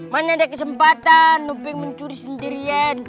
mana ada kesempatan uping mencuri sendirian